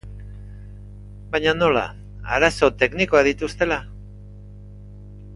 Baina nola, arazo teknikoak dituztela?